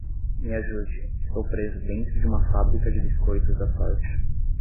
Me ajude, estou preso dentro de uma fábrica de biscoitos da sorte!